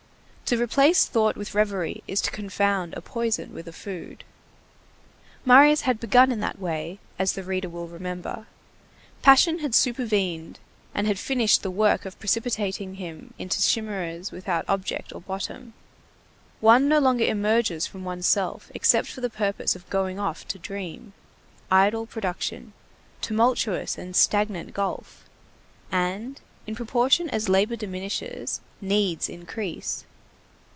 To replace thought with reverie is to confound a poison with a food. Marius had begun in that way, as the reader will remember. Passion had supervened and had finished the work of precipitating him into chimæras without object or bottom. One no longer emerges from one's self except for the purpose of going off to dream. Idle production. Tumultuous and stagnant gulf. And, in proportion as labor diminishes, needs increase.